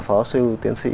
phó sư tiến sĩ